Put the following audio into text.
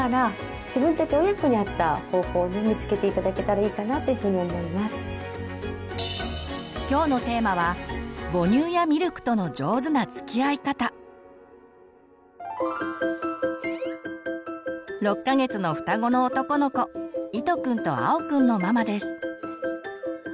大切なのは今日のテーマは６か月の双子の男の子いとくんとあおくんのママです。